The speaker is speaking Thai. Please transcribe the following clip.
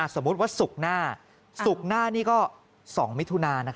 สมมุติว่าศุกร์หน้าศุกร์หน้านี่ก็๒มิถุนา